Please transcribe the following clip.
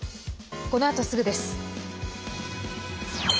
このあとすぐです。